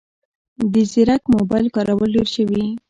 د ځیرک موبایل کارول ډېر شوي